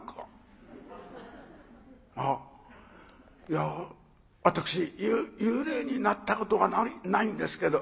いや私幽霊になったことがないんですけど」。